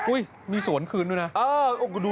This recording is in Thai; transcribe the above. อุ้ยมีสวนขึ้นด้วยนะ